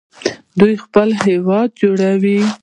دوی خپل هیواد جوړوي.